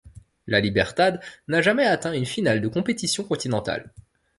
La Libertad n'a jamais atteint une finale de compétition continentale.